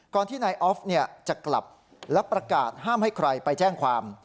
ก่อนที่นายออฟเนี่ยจะกลับแล้วประกาศห้ามให้ใครไปแจ้งความ